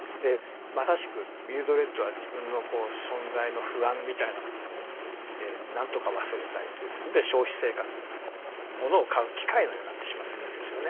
まさしくミルドレッドは自分の存在の不安みたいなものを何とか忘れたいということで消費生活にこうモノを買う機械のようになってしまってるわけですよね。